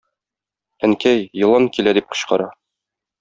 Әнкәй, елан килә, - дип кычкыра.